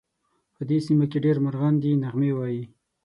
په دې سیمه کې ډېر مرغان دي نغمې وایې